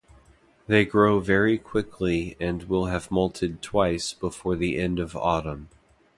They grow very quickly and will have moulted twice before the end of autumn.